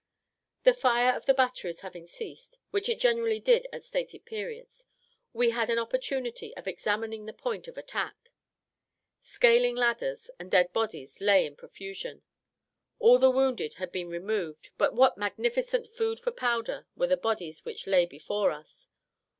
The fire of the batteries having ceased, which it generally did at stated periods, we had an opportunity of examining the point of attack. Scaling ladders, and dead bodies lay in profusion. All the wounded had been removed, but what magnificent "food for powder" were the bodies which lay before us!